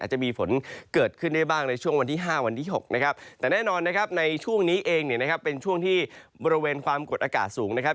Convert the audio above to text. จะมีฝนเกิดขึ้นได้บ้างในช่วงวันที่๕วันที่๖นะครับแต่แน่นอนนะครับในช่วงนี้เองเนี่ยนะครับเป็นช่วงที่บริเวณความกดอากาศสูงนะครับ